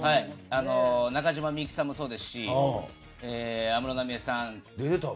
中島みゆきさんもそうですし安室奈美恵さんも。